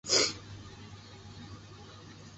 卡舍尔教省就是以该镇命名。